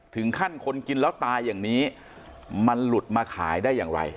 ถึงขั้นคนกินแล้วตายอย่างนี้มันหลุดมาขายได้อย่างไร